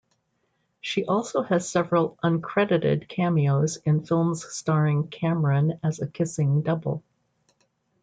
She also had several uncredited cameos in films starring Cameron as a kissing double.